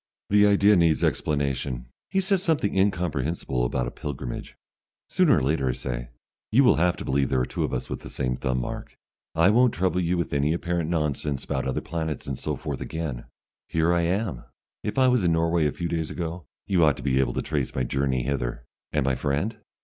The idea needs explanation. He says something incomprehensible about a pilgrimage. "Sooner or later," I say, "you will have to believe there are two of us with the same thumb mark. I won't trouble you with any apparent nonsense about other planets and so forth again. Here I am. If I was in Norway a few days ago, you ought to be able to trace my journey hither. And my friend?"